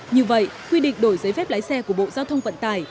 như vậy quy định đổi giấy phép lái xe của bộ giao thông vận tải